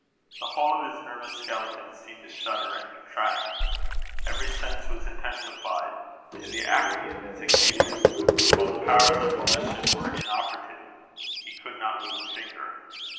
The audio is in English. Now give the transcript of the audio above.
The whole of his nervous skeleton seemed to shudder and contract. Every sense was intensified to the acme of its acuteness; while the powers of volition were inoperative. He could not move a finger.